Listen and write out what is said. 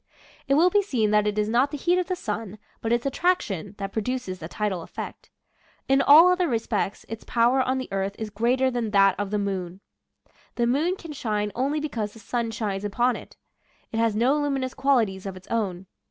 It will be seen that it is not the heat of the sun, but its attraction, that produces the tidal effect. In all other respects its power on the earth is greater than that of the moon. The moon can shine only because the sun shines upon it. It has no luminous qualities of its own.